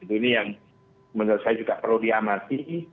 ini yang menurut saya juga perlu diamati